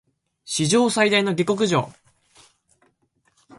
史上最大の下剋上